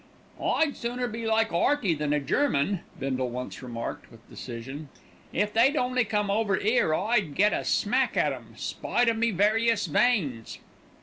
"I'd sooner be like 'Earty than a German," Bindle once remarked with decision. "If they'd only come over 'ere I'd get a smack at 'em, spite of me various veins."